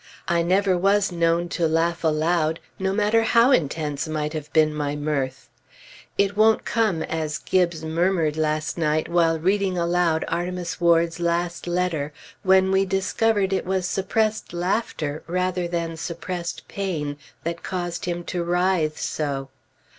I never was known to laugh aloud, no matter how intense might have been my mirth; "it won't come," as Gibbes murmured last night while reading aloud Artemus Ward's last letter, when we discovered it was suppressed laughter, rather than suppressed pain, that caused him to writhe so.